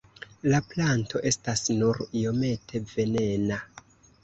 La planto estas nur iomete venena.